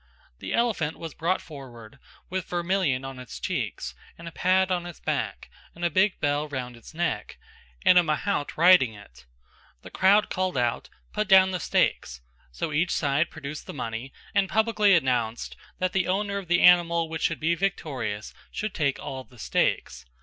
The elephant was brought forward with vermilion on its cheeks, and a pad on its back, and a big bell round its neck, and a mahout riding it. The crowd called out "Put down the stakes:" so each side produced the money and publicly announced that the owner of the animal which should be victorious should take all the stakes.